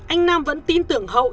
anh nam vẫn tin tưởng hậu